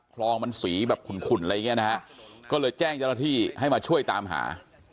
คลองมันสีแบบขุนอะไรอย่างเงี้นะฮะก็เลยแจ้งเจ้าหน้าที่ให้มาช่วยตามหา